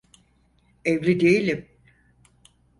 Evli değilim.